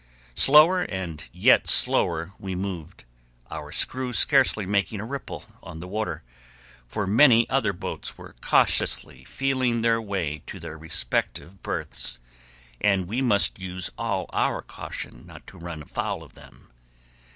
Slower and yet slower we moved, our screw scarcely making a ripple on the water, for many other boats were cautiously feeling their way to their respective berths, and we must use all our caution not to run foul of them.